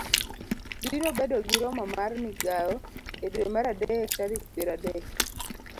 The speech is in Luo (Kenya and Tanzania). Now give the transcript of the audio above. Biro bedo gi romo mar migawo e dwe mar adek tarik piero adek ,